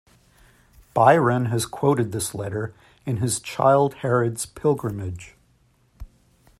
Byron has quoted this letter in his "Childe Harold's Pilgrimage".